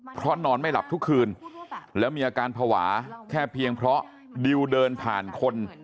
เพราะนอนไม่หลับทุกคืนแล้วมีอาการภาวะแค่เพียงเพราะดิวเดินผ่านคน